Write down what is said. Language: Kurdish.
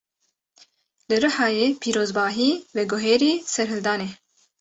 Li Rihayê pîrozbahî, veguherî serhildanê